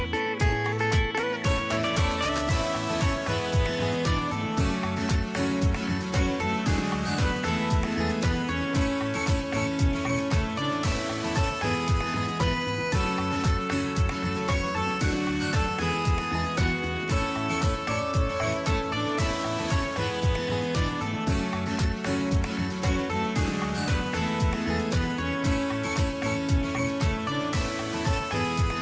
สวัสดีครับพี่สิทธิ์มหันท์สวัสดีครับ